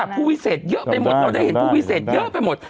ผู้วิเศษเยอะไปหมด